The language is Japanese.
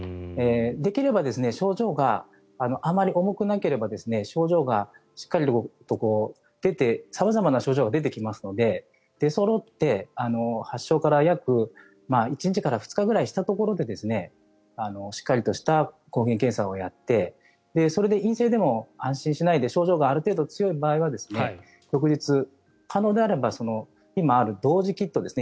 できれば症状があまり重くなければ症状がしっかりと出て様々な症状が出てきますので出そろって、発症から約１日から２日したところでしっかりとした抗原検査をやってそれで陰性でも安心しないで症状がある程度強い場合は翌日可能であれば今ある同時キットですね